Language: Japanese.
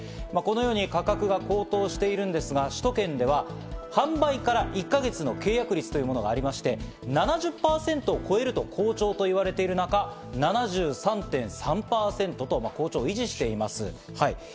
このように価格が高騰しているんですが、首都圏では販売から１か月の契約率というものがありまして、７０％を超えると好調と言われている中、７３．３％と好調を維持しています。